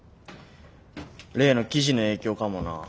例の記事の影響かもな。